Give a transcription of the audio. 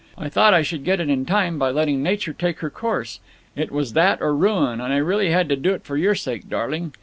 I thought I should get it in time, by letting Nature take her course. It was that or ruin, and I really had to do it for your sake, darling.